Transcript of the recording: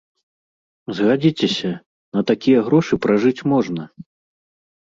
Згадзіцеся, на такія грошы пражыць можна.